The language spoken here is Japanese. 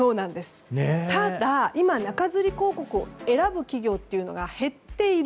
ただ、今中づり広告を選ぶ企業が減っている。